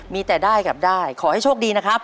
มีแต่ได้กับได้ขอให้โชคดีนะครับ